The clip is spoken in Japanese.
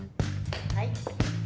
はい。